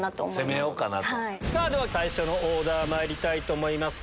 では最初のオーダーまいりたいと思います。